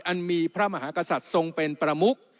อันมีพระมหากษัตริย์ทรงเป็นประมุก